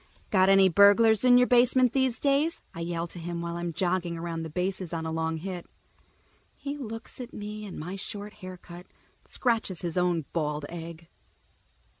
"Got any burglars in your basement these days?" I yell to him while I'm jogging around the bases on a long hit. He looks at me and my short haircut and scratches his own bald egg.